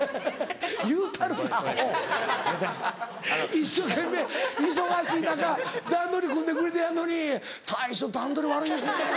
一生懸命忙しい中段取り組んでくれてはんのに「大将段取り悪いですね」